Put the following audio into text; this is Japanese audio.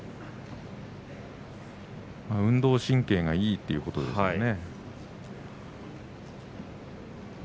運動神経がいいということですね。